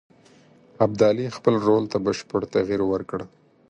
ابدالي خپل رول ته بشپړ تغییر ورکړ.